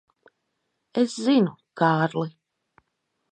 Es zinu, Kārli.